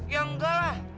ya enggak lah